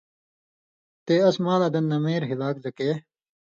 تے اَس مالاں دن نمېر ہِلاک زکے